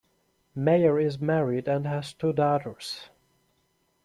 Meyer is married and has two daughters.